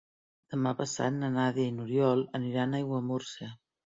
Demà passat na Nàdia i n'Oriol aniran a Aiguamúrcia.